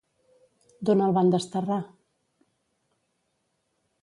D'on el van desterrar?